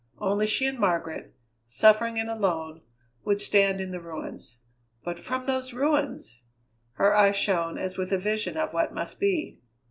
Only she and Margaret, suffering and alone, would stand in the ruins. But from those ruins! Her eyes shone as with a vision of what must be.